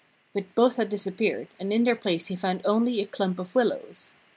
But both had disappeared, and in their place he found only a clump of willows.